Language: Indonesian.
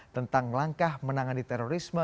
tentang langkah menangani terorisme